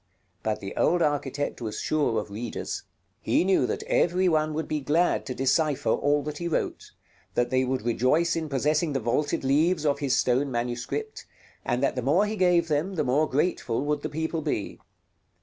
But the old architect was sure of readers. He knew that every one would be glad to decipher all that he wrote; that they would rejoice in possessing the vaulted leaves of his stone manuscript; and that the more he gave them, the more grateful would the people be.